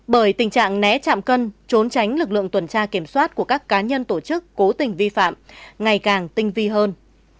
bởi tình trạng né chạm cân trốn tránh lực lượng tuần tra kiểm soát của các cá nhân tổ chức cố tình vi phạm ngày càng tinh vi hơn